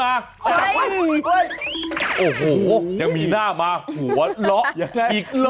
ฮ่าฮ่าฮ่าฮ่าฮ่าฮ่าฮ่าฮ่าฮ่าฮ่า